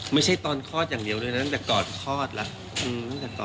ไม่ใช่ตอนคลอดอย่างเดียวเลยนะตั้งแต่ก่อนคลอดแล้วตั้งแต่ก่อน